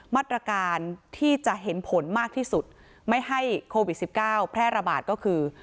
มาตรการที่จะเห็นผลมากที่สุดไม่ให้โควิด๑๙แพร่ระบาดก็คือ